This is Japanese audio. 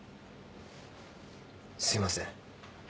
すいません。